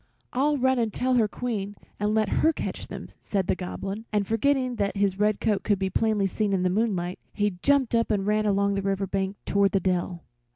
"I'll run and tell her Queen and let her catch them," said the Goblin, and, forgetting that his red coat could be plainly seen in the moonlight, he jumped up and ran along the river bank toward the dell.